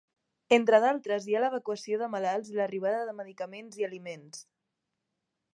Entre d'altres hi ha l'evacuació de malalts i l'arribada de medicaments i aliments.